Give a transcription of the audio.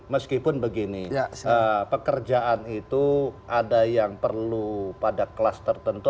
meskipun begini pekerjaan itu ada yang perlu pada kelas tertentu